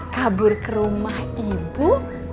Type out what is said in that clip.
kabur ke rumah ibu